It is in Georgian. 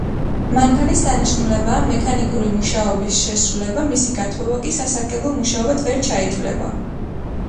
მანქანის დანიშნულებაა მექანიკური მუშაობის შესრულება, მისი გათბობა კი სასარგებლო მუშაობად ვერ ჩაითვლება.